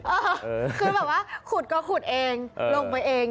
เออคือแบบว่าขุดก็ขุดเองลงไปเอง